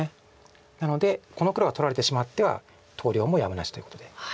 なのでこの黒が取られてしまっては投了もやむなしということで。